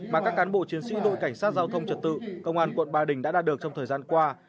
mà các cán bộ chiến sĩ đội cảnh sát giao thông trật tự công an quận ba đình đã đạt được trong thời gian qua